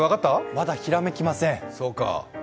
まだひらめきません。